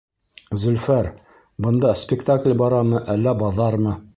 Зөлфәр, бында спектакль барамы, әллә баҙармы?